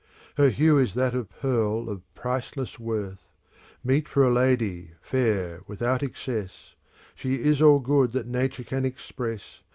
Her hue is that of pearl of priceless worth, Meet for a lady, fair without excess : She is all good that Nature can express.